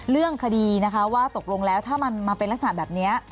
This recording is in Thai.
เรื่องคดีนะคะว่าตกลงแล้วถ้ามันมาเป็นลักษณะแบบนี้